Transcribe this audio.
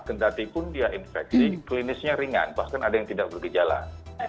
kendatipun dia infeksi klinisnya ringan bahkan ada yang tidak bergejala